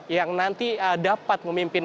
yang nanti dapat memimpin